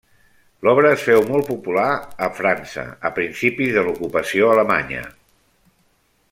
L'obra es féu molt popular a França a principis de l'ocupació alemanya.